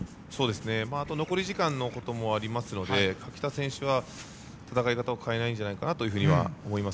あと、残り時間のこともありますので垣田選手は戦い方を変えないんじゃないかと思います。